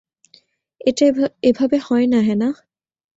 এটা এভাবে হয় না হ্যানাহ।